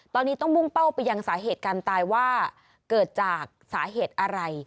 ตอนนี้ต้องมุ่งเป้าไปยังสาเหตุการตายว่าเกิดจากสาเหตุอะไร